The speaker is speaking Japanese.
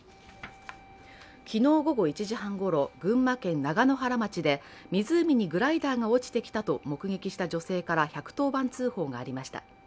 昨日午後１時半ごろ、群馬県長野原町で湖にグライダーが落ちてきたと目撃した女性から１１０番通報がありました。